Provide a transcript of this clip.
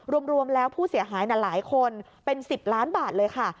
รวมแล้วผู้เสียหายหลายคนเป็น๑๐ล้านบาทเลยค่ะ